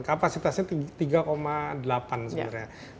kapasitasnya tiga delapan sebenarnya